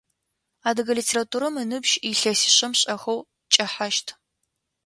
Адыгэ литературэм ыныбжь илъэсишъэм шӏэхэу кӏэхьащт.